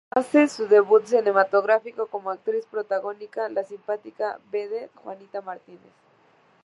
Hace su debut cinematográfico como actriz protagónica la simpática vedette Juanita Martínez.